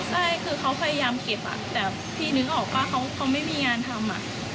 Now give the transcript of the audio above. ใช่คือเขาพยายามเก็บแต่พี่นึกออกว่าเขาไม่มีงานทำ